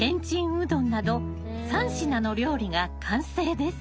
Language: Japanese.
うどんなど３品の料理が完成です。